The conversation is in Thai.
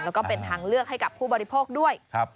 แล้วก็เป็นทางเลือกให้กับผู้บริโภคด้วย